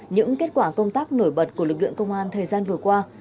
những kết quả công tác nổi bật của lực lượng công an thời gian vừa qua